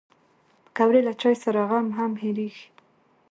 پکورې له چای سره غم هم هېرېږي